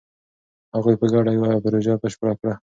هغوی په ګډه یوه پروژه بشپړه کړه.